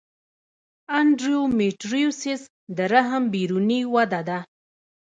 د انډومیټریوسس د رحم بیروني وده ده.